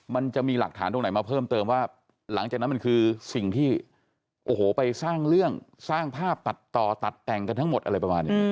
มันจะมีหลักฐานตรงไหนมาเพิ่มเติมว่าหลังจากนั้นมันคือสิ่งที่โอ้โหไปสร้างเรื่องสร้างภาพตัดต่อตัดแต่งกันทั้งหมดอะไรประมาณอย่างนี้